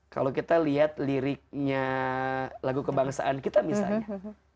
kalau kita lihat liriknya lagu kebangsaan kita misalnya